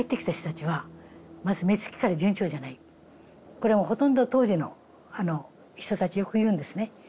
これはほとんど当時の人たちよく言うんですね。